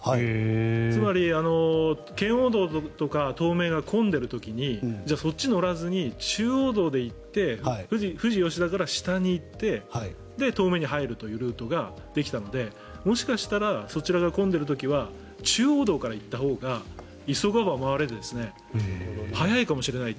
つまり、圏央道とか東名とかが混んでる時に、そっちに乗らずに中央道で行って富士吉田から下に行って東名に入るというルートができたのでもしかしたらそちらが混んでいる時は中央道から行ったほうが急がば回れで早いかもしれない。